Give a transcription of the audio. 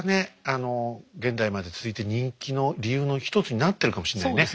あの現代まで続いてる人気の理由の一つになってるかもしれないね。